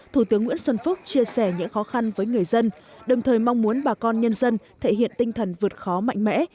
thủ tướng nguyễn xuân phúc chia sẻ những khó khăn với người dân đồng thời mong muốn bà con nhân dân thể hiện tinh thần vượt khó mạnh mẽ